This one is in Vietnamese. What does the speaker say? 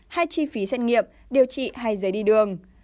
hay chi phí xét nghiệp điều trị hay giấy đi đường